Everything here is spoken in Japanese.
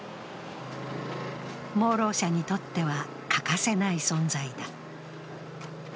盲ろう者にとっては欠かせない存在だ。